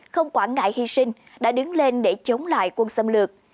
không quản ngại hy sinh đã đứng lên để chống lại quân xâm lược